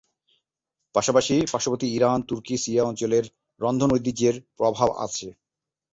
পাশাপাশি পার্শ্ববর্তী ইরান, তুর্কী, সিরিয়া অঞ্চলের রন্ধন ঐতিহ্যের প্রভাব আছে।